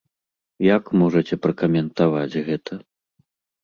Як можаце пракаментаваць гэта?